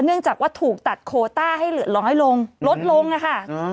เนื่องจากว่าถูกตัดโคต้าให้เหลือน้อยลงลดลงอะค่ะ